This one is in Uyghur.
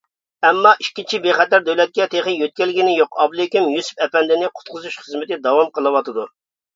ئەمما ئىككىنچى بىخەتەر دۆلەتكە تېخى يۆتكەلگىنى يوق، ئابلىكىم يۈسۈپ ئەپەندىنى قۇتقۇزۇش خىزمىتى داۋام قىلىۋاتىدۇ.